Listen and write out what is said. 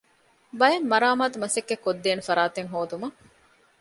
ބައެއް މަރާމާތު މަސައްކަތް ކޮށްދޭނެ ފަރާތެއް ހޯދުމަށް